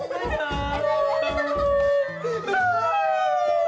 tuh tuh tuh